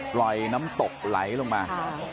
ปล่อยน้ำตบไหลลงมา